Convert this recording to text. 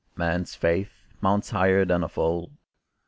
Man's faith Mounts higher than of old.